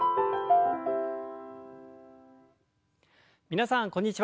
皆さんこんにちは。